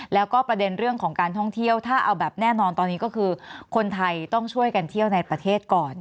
แล้วก็ประเด็นเรื่องของการท่องเที่ยวถ้าเอาแบบแน่นอนตอนนี้ก็คือคนไทยต้องช่วยกันเที่ยวในประเทศก่อน